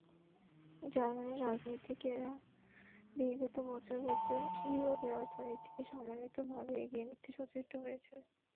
জার্মানির রাজনীতিকেরা বিগত বছরগুলোতে ইউরোপের অর্থনীতিকে সমন্বিতভাবে এগিয়ে নিতে সচেষ্ট হয়েছেন।